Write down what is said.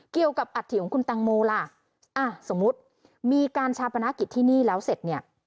เกี่ยวกับอัตถีของคุณตังโมล่ะสมมุติมีการชาปนาคิดที่นี่แล้วเสร็จ